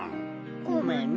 ごめんな。